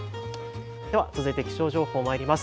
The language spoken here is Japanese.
では続いて気象情報まいります。